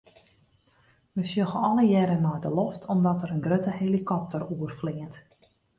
We sjogge allegearre nei de loft omdat der in grutte helikopter oerfleant.